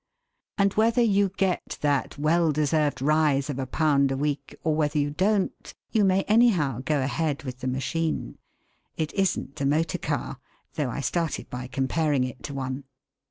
And whether you get that well deserved rise of a pound a week or whether you don't, you may anyhow go ahead with the machine; it isn't a motor car, though I started by comparing it to one.